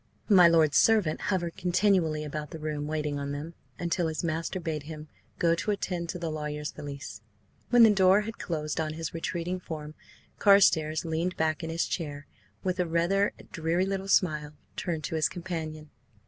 My lord's servant hovered continually about the room, waiting on them, until his master bade him go to attend to the lawyer's valise. When the door had closed on his retreating form, Carstares leaned back in his chair, and, with a rather dreary little smile, turned to his companion.